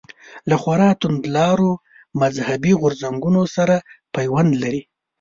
له خورا توندلارو مذهبي غورځنګونو سره پیوند لري.